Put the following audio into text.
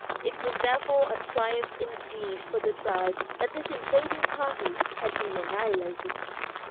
It was therefore a triumph indeed for the tribe that this invading party had been annihilated.